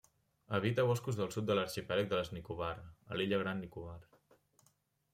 Habita boscos del sud de l'arxipèlag de les Nicobar, a l'illa Gran Nicobar.